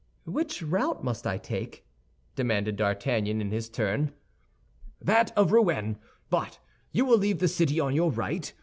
"Which route must I take?" demanded D'Artagnan, in his turn. "That of Rouen; but you will leave the city on your right.